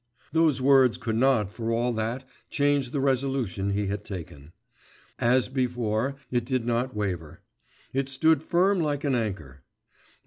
those words could not for all that change the resolution he had taken. As before, it did not waver; it stood firm like an anchor.